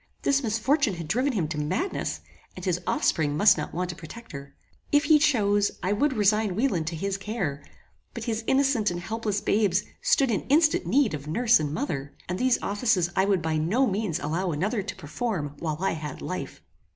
This misfortune had driven him to madness, and his offspring must not want a protector. If he chose, I would resign Wieland to his care; but his innocent and helpless babes stood in instant need of nurse and mother, and these offices I would by no means allow another to perform while I had life.